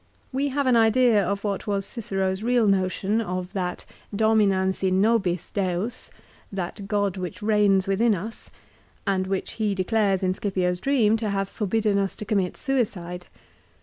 We have an idea of what was Cicero's real notion of that " dominans in nobis deus," l that god which reigns within us, and which he de clares in Scipio's dream to have forbidden us to commit suicide.